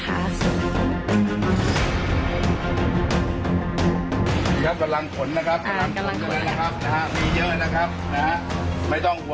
กำลังขนนะครับมีเยอะนะครับไม่ต้องห่วงว่าไม่ได้กันนะครับขอให้มีเงินกันนะครับมีเงินจริงจริงครับ